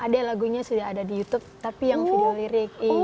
adek lagunya sudah ada di youtube tapi yang video lirik